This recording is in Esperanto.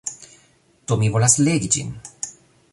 Do, mi volas legi ĝin!